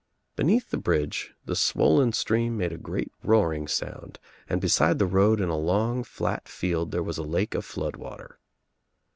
Beneath the bridge the swollen stream made a great roaring sound and beside the road in a long flat field there was a lake of flood water.